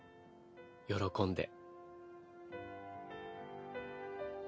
喜んで。